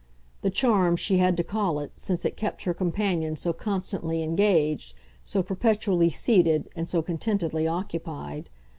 The charm she had to call it, since it kept her companion so constantly engaged, so perpetually seated and so contentedly occupied.